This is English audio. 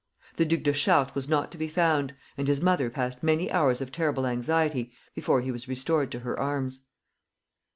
The Duc de Chartres was not to be found, and his mother passed many hours of terrible anxiety before he was restored to her arms.